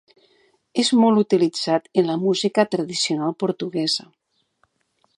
És molt utilitzat en la música tradicional portuguesa.